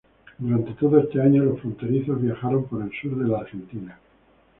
Durante todo ese año Los Fronterizos viajaron por el sur de la Argentina.